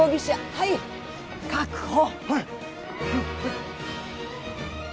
はい確保。